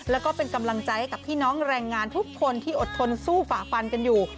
แล้วก็เป็นกำลังใจให้กับพี่น้องแรงงานทุกคนที่อดทนสู้ฝ่าฟันกันอยู่